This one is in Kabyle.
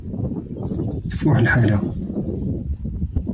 Tfuḥ lḥala.